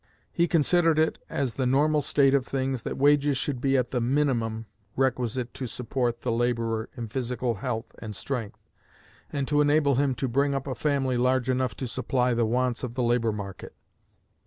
He considered it as the normal state of things that wages should be at the minimum requisite to support the laborer in physical health and strength, and to enable him to bring up a family large enough to supply the wants of the labor market.